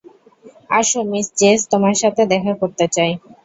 আসো Miss Jess তোমার সাথে দেখা করতে চাই।